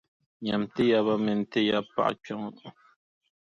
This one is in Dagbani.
Nyami ti yaba mini ti yabipaɣa kpe ŋɔ.